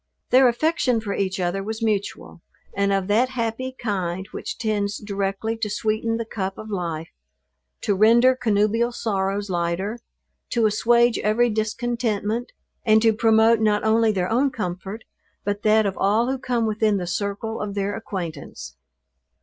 Their affection for each other was mutual, and of that happy kind which tends directly to sweeten the cup of life; to render connubial sorrows lighter; to assuage every discontentment and to promote not only their own comfort, but that of all who come within the circle of their acquaintance.